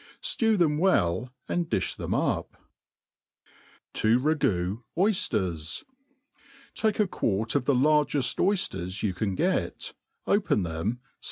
Stew them well, and dlQi them up. ■<.' To ragoo Oyfiers, TAKE »a tqaart of the largeft oyfters yoti can get, open them, f»!